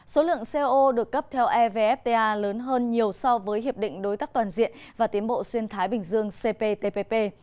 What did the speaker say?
số lượng co được cấp theo evfta lớn hơn nhiều so với hiệp định đối tác toàn diện và tiến bộ xuyên thái bình dương cptpp